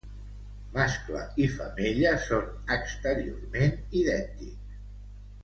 Mascle i femella són exteriorment idèntics.